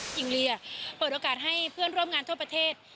กิ่งเลียเปิดโอกาสให้เพื่อนร่วมงานทั่วประเทศ